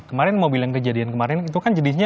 kemarin mobil yang kejadian kemarin itu kan jenisnya